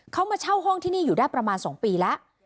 เขามาเช่าห้องที่นี่อยู่ได้ประมาณ๒ปีแล้ว